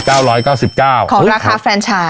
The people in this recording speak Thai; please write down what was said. ของราคาแฟรนไชน์